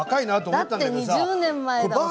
だって２０年前だもん。